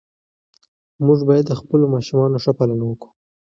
موږ باید د خپلو ماشومانو ښه پالنه وکړو.